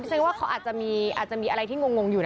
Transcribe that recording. แสดงว่าเขาอาจจะมีอะไรที่งงอยู่นะ